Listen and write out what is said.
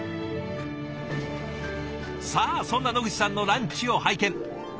さあそんな野口さんのランチを拝見。